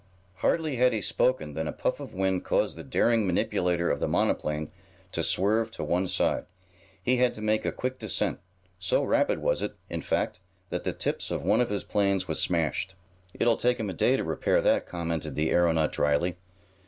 Hardly had he spoken than a puff of wind caused the daring manipulator of the monoplane to swerve to one side. He had to make a quick descent so rapid was it, in fact, that the tips of one of his planes was smashed. "It'll take him a day to repair that," commented the aeronaut dryly.